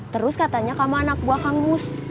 terus katanya kamu anak buah kang mus